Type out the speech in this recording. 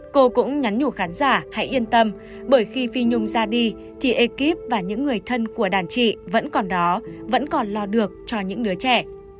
cô cũng nhắn nhủ khán giả hãy yên tâm bởi khi phi nhung ra đi thì ekip và những người thân của đàn trị vẫn còn đó vẫn còn lo được cho những đứa trẻ